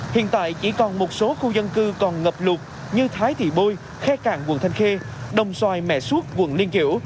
hiện tại chỉ còn một số khu dân cư còn ngập lụt như thái thị bôi khe cạn quận thanh khê đồng xoài mẹ suốt quận liên kiểu